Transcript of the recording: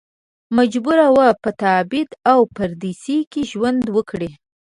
مجبور و په تبعید او پردیس کې ژوند وکړي.